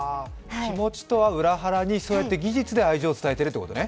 気持ちとは裏腹に技術で愛情を伝えているってことね。